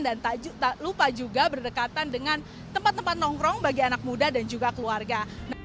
dan tak lupa juga berdekatan dengan tempat tempat nongkrong bagi anak muda dan juga keluarga